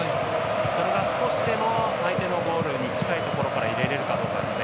それが少しでも相手のゴールに近いところに入れれるかどうかですね。